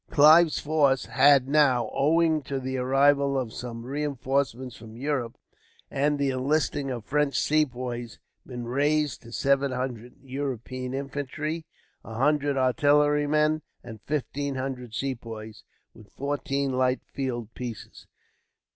Clive's force had now, owing to the arrival of some reinforcements from Europe, and the enlisting of fresh Sepoys, been raised to seven hundred European infantry, a hundred artillerymen, and fifteen hundred Sepoys, with fourteen light field pieces.